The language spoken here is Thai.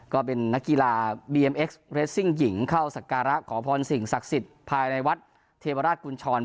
ก็เป็นนักกีฬาบีเอ็มเอ็กซ์เรสซิ่งหญิงเข้าสการะขอพรสิ่งศักดิ์สิทธิ์ภายในวัดเทวราชกุญชร